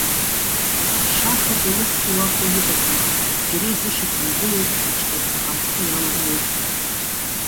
Шахада усгьы уахәо иҟазма, џьара изышьақәымгыло, иҿҟьаса амхы иаламлоз.